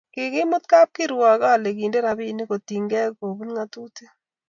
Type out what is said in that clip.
kikimut kapkirwak ale kindo rapinik kotinge koput ngatutik